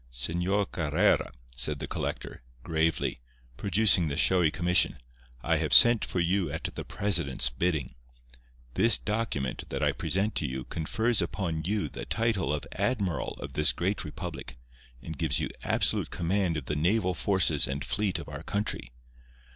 "Señor Carrera," said the collector, gravely, producing the showy commission, "I have sent for you at the president's bidding. This document that I present to you confers upon you the title of Admiral of this great republic, and gives you absolute command of the naval forces and fleet of our country.